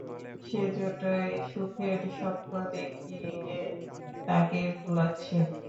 সে-জন্যেই সুখের স্বপ্ন দেখিয়ে তাঁকে ভোলাচ্ছে।